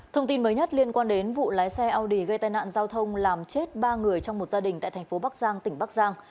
thông tin mới nhất liên quan đến vụ lái xe audi gây tai nạn giao thông làm chết ba người trong một gia đình tại tp bắc giang tỉnh bắc giang